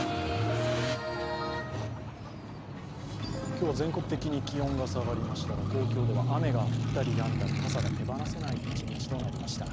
今日は全国的に気温が下がりましたが、東京では雨が降ったりやんだり傘が手放せない一日となりました。